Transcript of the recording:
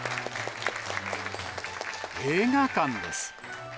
映画館です。